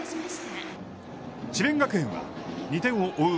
智弁学園は、２点を追う